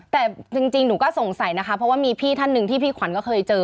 แต่จริงหนูก็สงสัยนะคะเพราะว่ามีพี่ท่านหนึ่งที่พี่ขวัญก็เคยเจอ